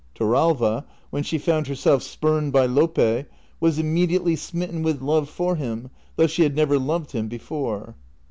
Torralva, when she found her self spurned by Lope, was immediately smitten with love for him, though she had never loved him before."